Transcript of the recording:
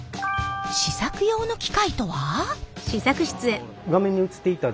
試作用の機械とは？